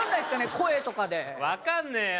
声とかで分かんねえよ